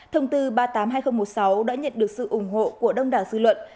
thông tư ba trăm tám mươi hai nghìn một mươi sáu đã nhận được sự ủng hộ của đông đảo dư luận